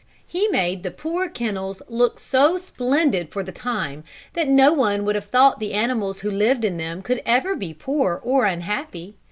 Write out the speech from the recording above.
He made the poor kennels look so splendid for the time, that no one would have thought the animals who lived in them could ever be poor or unhappy.